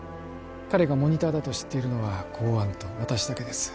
彼がモニターだと知っているのは公安と私だけです